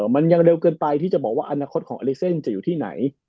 มันยังเร็วเกินไปที่จะบอกว่าอนาคตของอลิเซนจะอยู่ที่ไหน